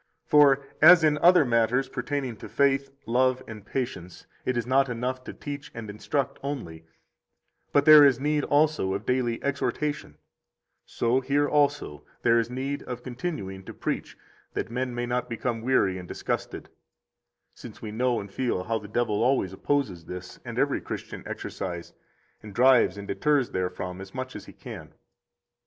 44 For as in other matters pertaining to faith, love, and patience, it is not enough to teach and instruct only, but there is need also of daily exhortation, so here also there is need of continuing to preach that men may not become weary and disgusted, since we know and feel how the devil always opposes this and every Christian exercise, and drives and deters therefrom as much as he can.